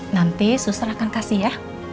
nanti suster akan kasih ya